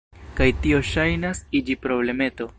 Kaj tio ŝajnas iĝi problemeto.